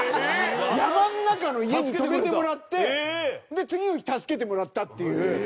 山の中の家に泊めてもらって次の日助けてもらったっていう。